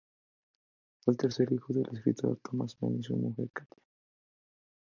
Fue el tercer hijo del escritor Thomas Mann y su mujer Katia.